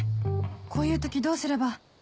こういう時どうすれば